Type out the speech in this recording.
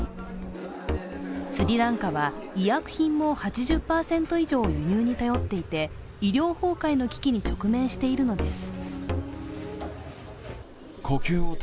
スリランカは医薬品も８０％以上を輸入に頼っていて、医療崩壊の危機に直面しているのです。